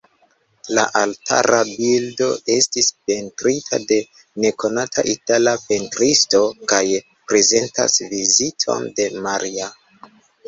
La altara bildo estis pentrita de nekonata itala pentristo kaj prezentas Viziton de Maria.